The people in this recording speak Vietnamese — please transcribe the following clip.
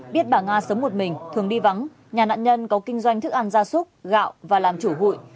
biết bà nga sống một mình thường đi vắng nhà nạn nhân có kinh doanh thức ăn gia súc gạo và làm chủ hụi